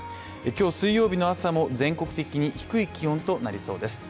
今日、水曜日の朝も全国的に低い気温となりそうです。